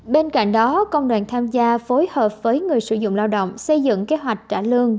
bên cạnh đó công đoàn tham gia phối hợp với người sử dụng lao động xây dựng kế hoạch trả lương